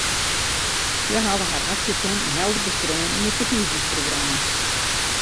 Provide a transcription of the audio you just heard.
Hja hawwe har aksjepunten helder beskreaun yn it ferkiezingsprogramma.